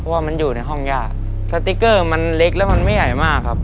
ว่ามันอยู่ในห้องย่าสติ๊กเกอร์มันเล็กแล้วมันไม่ใหญ่มากครับ